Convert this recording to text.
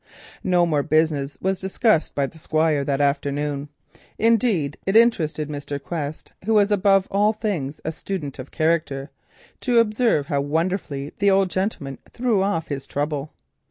No more business was discussed by the Squire that afternoon. Indeed it interested Mr. Quest, who was above all things a student of character, to observe how wonderfully the old gentleman threw off his trouble.